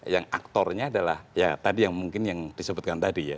yang aktornya adalah ya mungkin yang disebutkan tadi ya